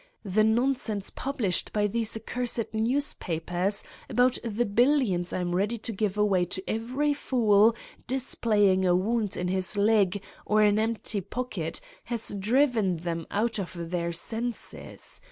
The nonsense pub lished by these accursed newspapers about the bil lions I am ready to give away to every fool dis playing a wound in his leg, or an empty pocket, has driven them out of their senses.